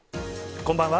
こんばんは。